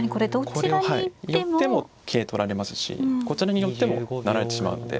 これを寄っても桂取られますしこちらに寄っても成られてしまうので。